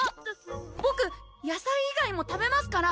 ボク野菜以外も食べますから！